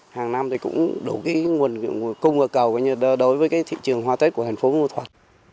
hàng năm thì cũng đủ nguồn cung và cầu đối với cái thị trường hoa tết của thành phố mưa thuật